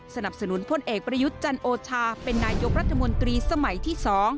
สนับสนุนพลเอกประยุทธ์จันโอชาเป็นนายกรัฐมนตรีสมัยที่๒